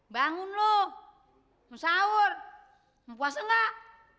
bangun loh mau sahur mau puasa gak